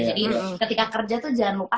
jadi ketika kerja tuh jangan lupa